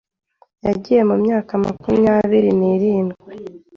yigiye mu myaka makumyabiri nirindwi